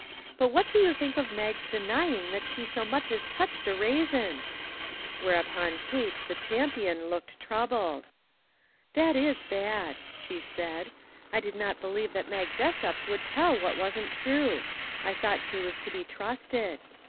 But what do you think of Mag's denying that she so much as touched a raisin ?" Whereupon Kate, the champion, looked trou bled. " That is bad," she said. " I did not believe that Mag Jessup would tell what wasn't true. I thought she was to be trusted.